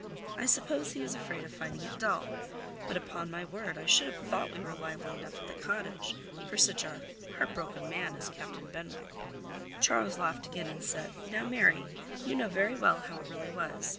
I suppose he was afraid of finding it dull; but upon my word I should have thought we were lively enough at the Cottage for such a heart broken man as Captain Benwick." Charles laughed again and said, "Now Mary, you know very well how it really was.